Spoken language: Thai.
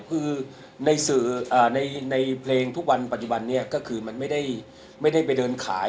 คือในเพลงทุกวันปัจจุบันนี้ก็คือมันไม่ได้ไปเดินขาย